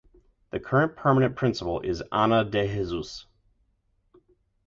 The current permanent principal is Ana De Jesus.